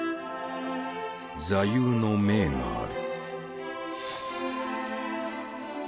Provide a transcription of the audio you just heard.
座右の銘がある。